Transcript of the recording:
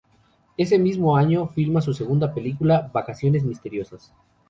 Ese mismo año filma su segunda película, "Vacaciones misteriosas".